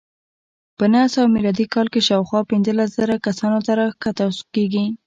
په نهه سوه میلادي کال کې شاوخوا پنځلس زره کسانو ته راښکته کېږي.